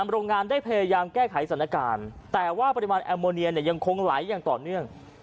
โรงงานได้พยายามแก้ไขสถานการณ์แต่ว่าปริมาณแอลโมเนียเนี่ยยังคงไหลอย่างต่อเนื่อง